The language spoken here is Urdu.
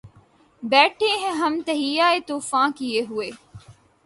بیٹهے ہیں ہم تہیّہ طوفاں کئے ہوئے